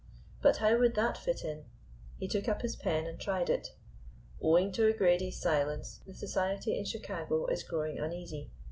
But how would that fit in? He took up his pen and tried it. Owing to O'Grady's silence, the Society in Chicago is growing uneasy.